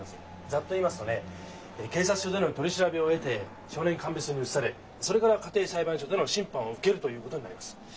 ざっと言いますとね警察署での取り調べを経て少年鑑別所に移されそれから家庭裁判所での審判を受けるということになります。